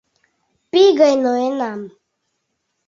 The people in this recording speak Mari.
Пий гай ноенам.